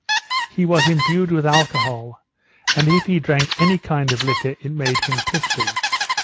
He was imbued with alcohol, and if he drank any kind of liquor it made him tipsy.